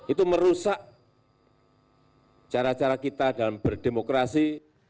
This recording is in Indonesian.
itu merusak cara cara kita dalam berdemokrasi